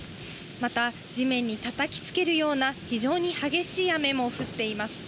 また地面に叩きつけるような非常に激しい雨も降っています。